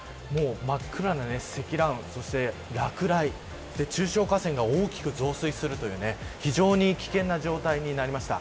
真っ暗な積乱雲そして落雷中小河川が大きく増水するという非常に危険な状態になりました。